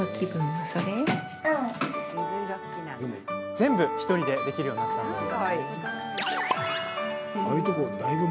全部、１人でできるようになったんです。